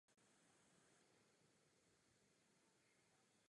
Věnoval se rovněž dějinám vědy.